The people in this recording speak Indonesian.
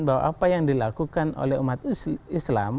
bahwa apa yang dilakukan oleh umat islam